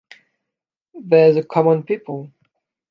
They’re the common people.